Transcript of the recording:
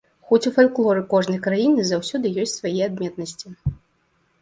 Хоць у фальклоры кожнай краіны заўсёды ёсць свае адметнасці.